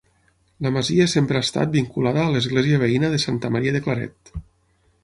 La masia sempre ha estat vinculada a l'església veïna de Santa Maria de Claret.